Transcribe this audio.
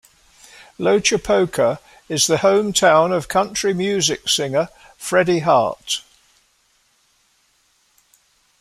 Loachapoaka is the home town of country music singer Freddie Hart.